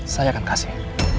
saya akan kasih